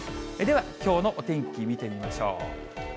では、きょうのお天気見てみましょう。